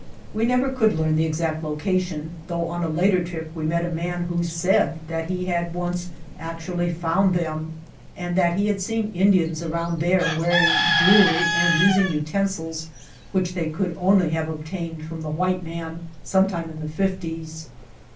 We never could learn the exact location, though on a later trip we met a man who said that he had once actually found them, and that he had seen Indians around there wearing jewelry and using utensils which they could only have obtained from the white man sometime in the fifties.